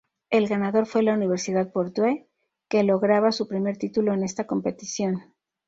El ganador fue la Universidad Purdue, que lograba su primer título en esta competición.